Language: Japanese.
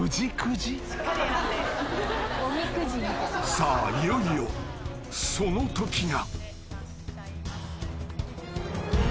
［さあいよいよそのときが］